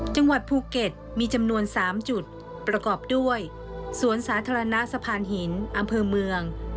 จังหวัดภูเก็ตมีจำนวน๓จุดประกอบด้วยสวนสาธารณะสะพานหินอำเภอเมือง